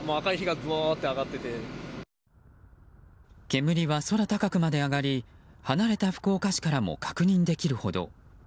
煙は空高くまで上がり離れた福岡市からも確認できるほど。